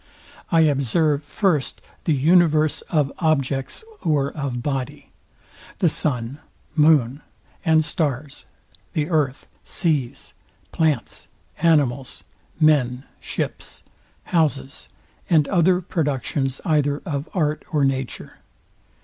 I observe first the universe of objects or of body: The sun, moon and stars; the earth, seas, plants, animals, men, ships, houses, and other productions either of art or nature.